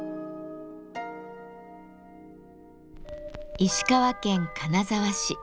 石川県金沢市。